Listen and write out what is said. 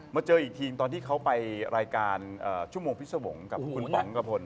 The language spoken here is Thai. เจออีกทีตอนที่เขาไปรายการชั่วโมงพิศวงศ์กับคุณป๋องกระพล